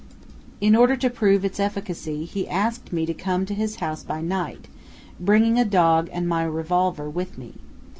In order to prove its efficacy he asked me to come to his house by night, bringing a dog and my revolver with me.